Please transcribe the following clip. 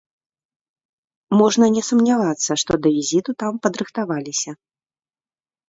Можна не сумнявацца, што да візіту там падрыхтаваліся.